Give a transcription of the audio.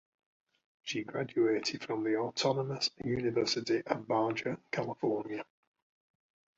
She graduated from the Autonomous University of Baja California.